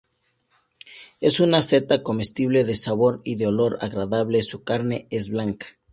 Es una seta comestible de sabor y de olor agradable, su carne es blanca.